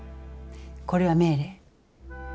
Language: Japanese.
これは命令。